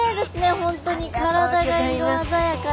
本当に体が色鮮やかで。